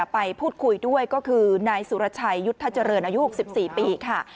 ไปพูดคุยด้วยก็คือนายสุรชัยยุทธเจริญอายุ๖๔ปีค่ะ